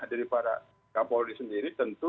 daripada k polri sendiri tentu